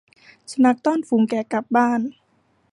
สุนัขต้อนฝูงแกะกลับบ้าน